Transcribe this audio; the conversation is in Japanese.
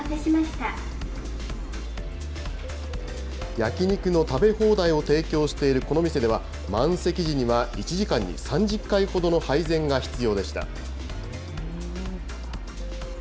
焼き肉の食べ放題を提供しているこの店では、満席時には１時間に３０回ほどの配膳が必要でした。